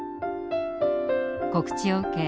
告知を受け